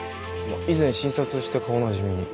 以前診察して顔なじみに。